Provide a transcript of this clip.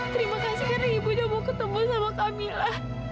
terima kasih karena ibu udah mau ketemu sama kamila